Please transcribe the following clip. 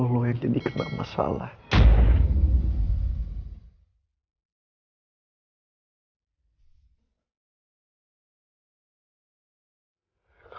lo yang jadi kena masalah